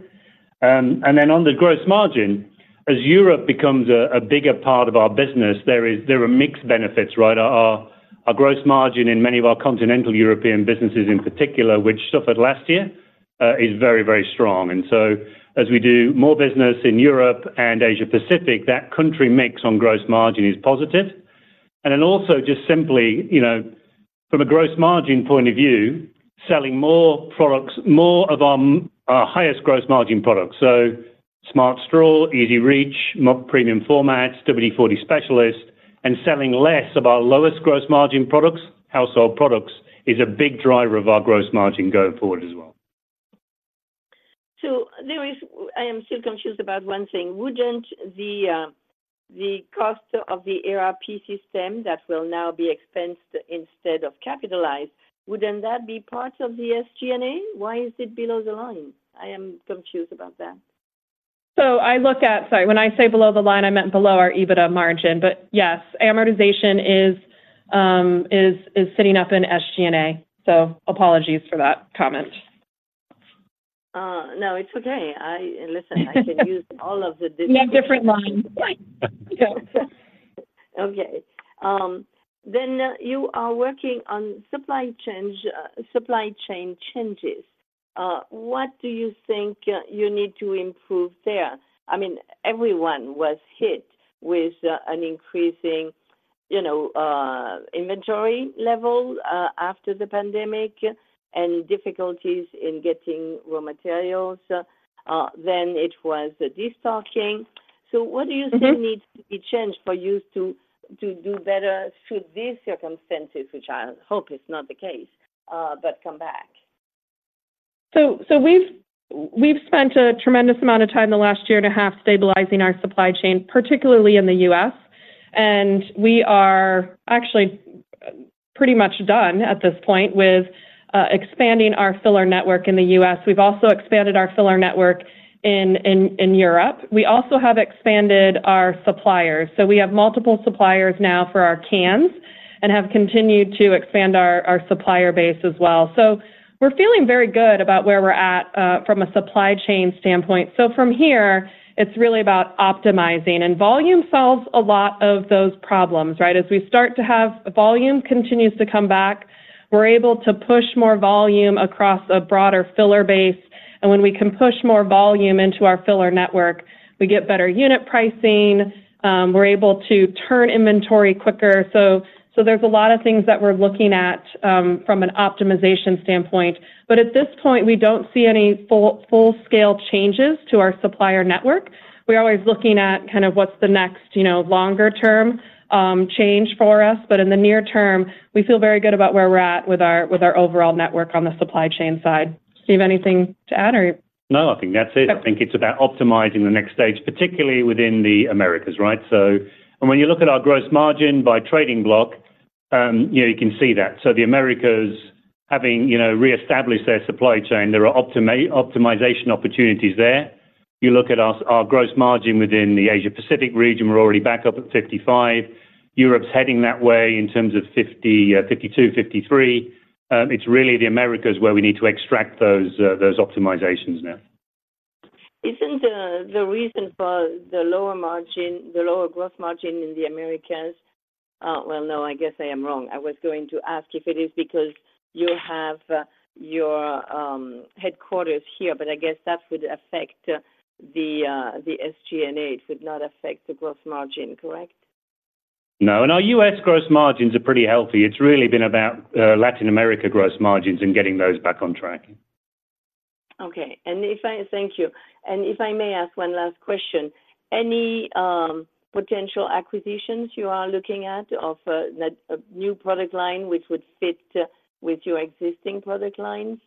Then on the gross margin, as Europe becomes a bigger part of our business, there are mixed benefits, right? Our gross margin in many of our continental European businesses in particular, which suffered last year, is very, very strong. So as we do more business in Europe and Asia Pacific, that country mix on gross margin is positive. Also just simply, you know, from a gross margin point of view, selling more products, more of our highest gross margin products, so Smart Straw, Easy Reach, premium formats, WD-40 Specialist, and selling less of our lowest gross margin products, household products, is a big driver of our gross margin going forward as well. I am still confused about one thing. Wouldn't the cost of the ERP system that will now be expensed instead of capitalized, wouldn't that be part of the SG&A? Why is it below the line? I am confused about that. Sorry, when I say below the line, I meant below our EBITDA margin, but yes, amortization is sitting up in SG&A. Apologies for that comment. No, it's okay. Listen, I can use all of the different- Yeah, different lines. Okay, you are working on supply chain changes. What do you think you need to improve there? I mean, everyone was hit with an increasing, you know, inventory level after the pandemic and difficulties in getting raw materials. Then it was the destocking. Mm-hmm. What do you think needs to be changed for you to do better should these circumstances, which I hope is not the case, but come back? We've spent a tremendous amount of time in the last year and a half stabilizing our supply chain, particularly in the U.S., and we are actually pretty much done at this point with expanding our filler network in the U.S. We've also expanded our filler network in Europe. We also have expanded our suppliers. We have multiple suppliers now for our cans and have continued to expand our supplier base as well. We're feeling very good about where we're at from a supply chain standpoint. From here, it's really about optimizing, and volume solves a lot of those problems, right? As we start to have volume continues to come back, we're able to push more volume across a broader filler base, and when we can push more volume into our filler network, we get better unit pricing, we're able to turn inventory quicker. There's a lot of things that we're looking at from an optimization standpoint, but at this point, we don't see any full-scale changes to our supplier network. We're always looking at kind of what's the next, you know, longer-term change for us, but in the near term, we feel very good about where we're at with our overall network on the supply chain side. Steve, anything to add or? No, I think that's it. Yep. I think it's about optimizing the next stage, particularly within the Americas, right? When you look at our gross margin by trading block, you know, you can see that. The Americas, having, you know, reestablished their supply chain, there are optimization opportunities there. You look at our gross margin within the Asia Pacific region, we're already back up at 55. Europe's heading that way in terms of 50, 52, 53. It's really the Americas where we need to extract those optimizations now. Isn't the reason for the lower margin, the lower gross margin in the Americas? Well, no, I guess I am wrong. I was going to ask if it is because you have your headquarters here, but I guess that would affect the SG&A. It would not affect the gross margin, correct? No, and our U.S. gross margins are pretty healthy. It's really been about Latin America gross margins and getting those back on track. Okay. Thank you. If I may ask one last question, any potential acquisitions you are looking at of a new product line which would fit with your existing product lines?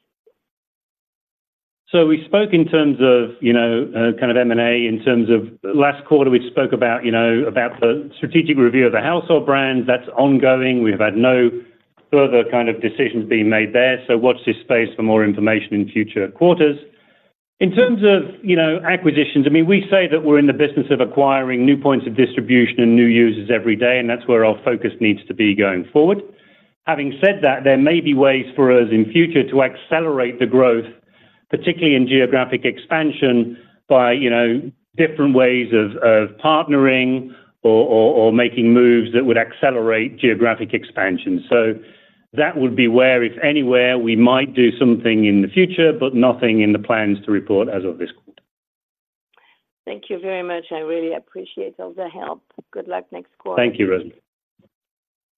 We spoke in terms of, you know, kind of M&A. In terms of last quarter, we spoke about, you know, the strategic review of the household brands. That's ongoing. We have had no further kind of decisions being made there, so watch this space for more information in future quarters. In terms of, you know, acquisitions, I mean, we say that we're in the business of acquiring new points of distribution and new users every day, and that's where our focus needs to be going forward. Having said that, there may be ways for us in future to accelerate the growth, particularly in geographic expansion, by, you know, different ways of partnering or making moves that would accelerate geographic expansion. That would be where, if anywhere, we might do something in the future, but nothing in the plans to report as of this quarter. Thank you very much. I really appreciate all the help. Good luck next quarter. Thank you, Rosemarie.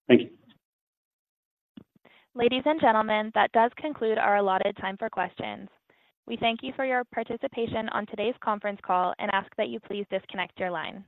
Thank you. Ladies and gentlemen, that does conclude our allotted time for questions. We thank you for your participation on today's conference call and ask that you please disconnect your line.